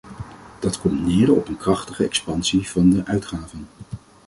Dat komt neer op een krachtige expansie van de uitgaven.